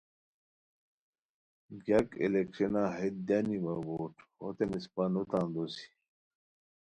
گیاک الیکشنہ ہیت دیانی وا ووٹ ہوتین اسپہ نوتان دوسی